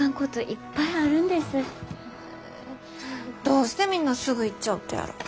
どうしてみんなすぐ行っちゃうとやろ。